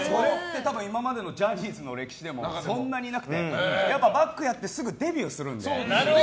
今までのジャニーズの歴史でもそんなにいなくて、バックやってすぐデビューするので。